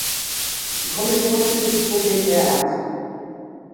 Die Kommission nimmt dieses Problem sehr ernst.